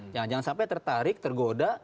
jangan sampai tertarik tergoda